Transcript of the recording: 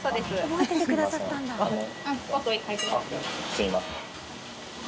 すみません。